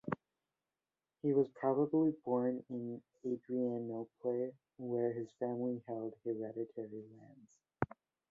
He was probably born in Adrianople, where his family held hereditary lands.